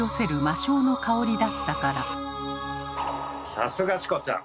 さすがチコちゃん。